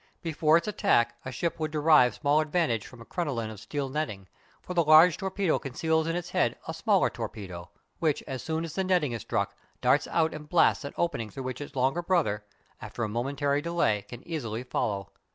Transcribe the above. Before its attack a ship would derive small advantage from a crinoline of steel netting; for the large torpedo conceals in its head a smaller torpedo, which, as soon as the netting is struck, darts out and blasts an opening through which its longer brother, after a momentary delay, can easily follow.